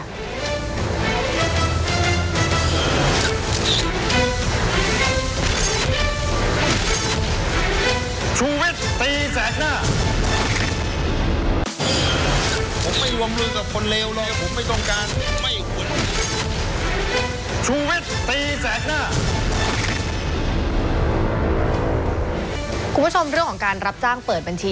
คุณผู้ชมเรื่องของการรับจ้างเปิดบัญชี